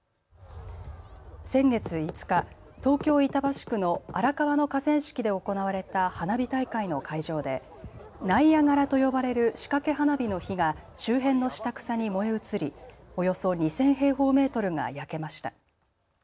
先月５日、東京板橋区の荒川の河川敷で行われた花火大会の会場でナイアガラと呼ばれる仕掛け花火の火が周辺の下草に燃え移りおよそ２０００平方メートルが焼けました。